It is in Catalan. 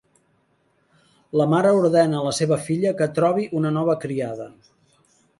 La mare ordena la seva filla que trobi una nova criada.